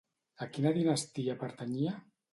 A quina dinastia pertanyia?